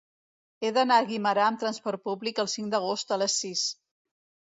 He d'anar a Guimerà amb trasport públic el cinc d'agost a les sis.